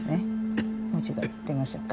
もう一度やってみましょうか。